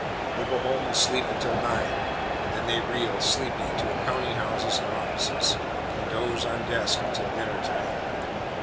They go home and sleep until nine; then they reel, sleepy, to counting houses and offices, and doze on desks until dinnertime.